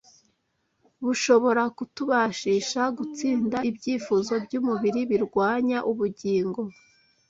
bushobora kutubashisha gutsinda ibyifuzo by’umubiri birwanya ubugingo.